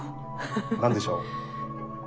何でしょう？